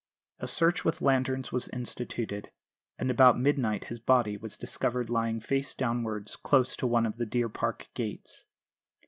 A search with lanterns was instituted, and about midnight his body was discovered lying face downwards close to one of the deer park gates.